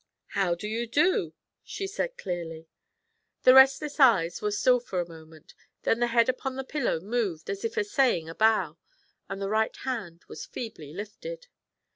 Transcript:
'How do you do?' she said clearly. The restless eyes were still for a moment; then the head upon the pillow moved as if essaying a bow, and the right hand was feebly lifted.